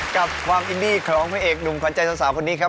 กับความอินดี้ของพระเอกหนุ่มขวัญใจสาวคนนี้ครับ